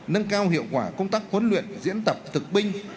nâng cao hiệu quả công tác huấn luyện diễn tập thực binh